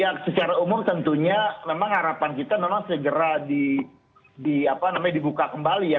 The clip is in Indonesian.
ya secara umum tentunya memang harapan kita memang segera dibuka kembali ya